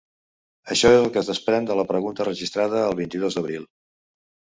Això és el que es desprèn de la pregunta registrada el vint-i-dos d’abril.